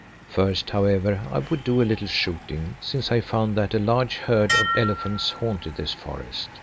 First, however, I would do a little shooting since I found that a large herd of elephants haunted this forest.